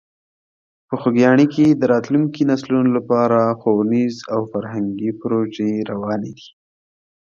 په خوږیاڼي کې د راتلونکو نسلونو لپاره ښوونیزې او فرهنګي پروژې روانې دي.